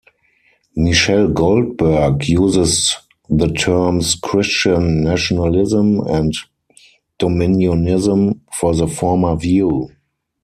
Michelle Goldberg uses the terms "Christian Nationalism" and "Dominionism" for the former view.